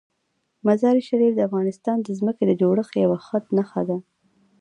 مزارشریف د افغانستان د ځمکې د جوړښت یوه ښه نښه ده.